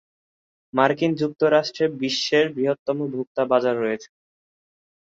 মার্কিন যুক্তরাষ্ট্রে বিশ্বের বৃহত্তম ভোক্তা বাজার রয়েছে।